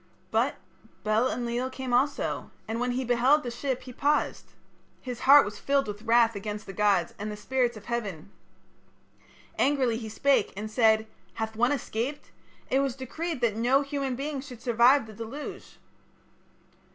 "But Bel Enlil came also, and when he beheld the ship he paused. His heart was filled with wrath against the gods and the spirits of heaven. Angrily he spake and said: 'Hath one escaped? It was decreed that no human being should survive the deluge.'